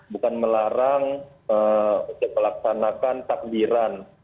bukan melarang untuk melaksanakan takbiran